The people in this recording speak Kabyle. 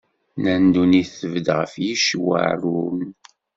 Nnan ddunit tbedd ɣef yicc uɛerrum.